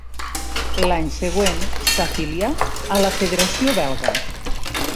L'any següent s'afilià a la federació belga.